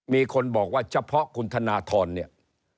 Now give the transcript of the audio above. มีคนบอกว่าเฉพาะคุณธนทรเนี่ย